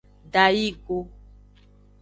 Dayi go.